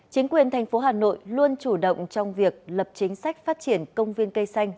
chính quyền tp hà nội luôn chủ động trong việc lập chính sách phát triển công viên cây xanh